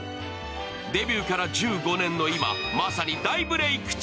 デビューから１５年の今、まさに大ブレイク中。